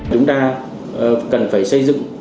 chúng ta cần phải xây dựng